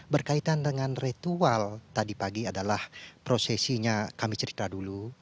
berkaitan dengan ritual tadi pagi adalah prosesinya kami cerita dulu